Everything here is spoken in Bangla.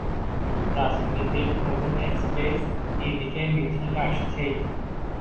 রাজনীতির নতুন স্পেসএদিকে মিছিল আসছেই।